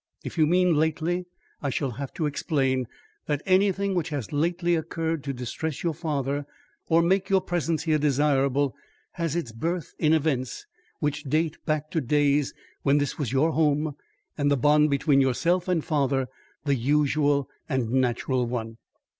If you mean lately, I shall have to explain that anything which has lately occurred to distress your father or make your presence here desirable, has its birth in events which date back to days when this was your home and the bond between yourself and father the usual and natural one."